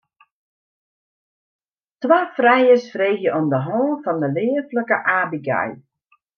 Twa frijers freegje om de hân fan de leaflike Abigail.